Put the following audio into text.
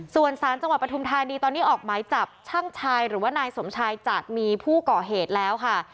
ส่วนสารจังหวัดปฐุมธานีตอนนี้ออกหมายจับช่างชายหรือว่านายสมชายจากมีผู้ก่อเหตุแล้วค่ะ